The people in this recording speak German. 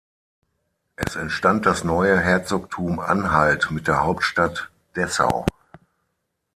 Es entstand das neue Herzogtum Anhalt mit der Hauptstadt Dessau.